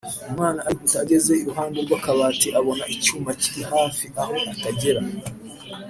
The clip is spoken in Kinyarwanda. Umwana arihuta ageze iruhande rw’akabati abona icyuma kiri hejuru aho atagera